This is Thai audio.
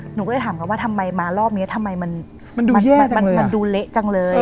หนูก็ได้ถามเขาว่าทำไมมารอบเนี้ยทำไมมันมันดูแย่จังเลยอ่ะมันดูเละจังเลย